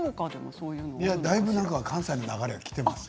だいぶ関西の流れがきています。